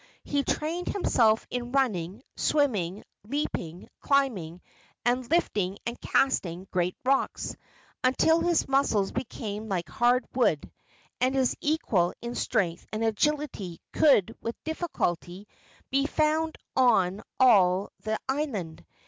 He trained himself in running, swimming, leaping, climbing, and lifting and casting great rocks, until his muscles became like hard wood, and his equal in strength and agility could with difficulty be found on all the island.